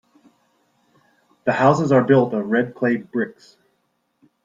The houses are built of red clay bricks.